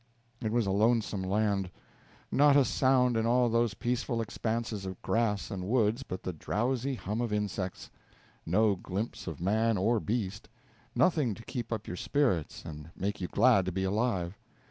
It was a lonesome land! Not a sound in all those peaceful expanses of grass and woods but the drowsy hum of insects; no glimpse of man or beast; nothing to keep up your spirits and make you glad to be alive.